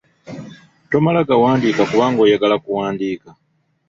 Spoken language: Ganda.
Tomala gawandiika kubanga oyagala kuwandiika.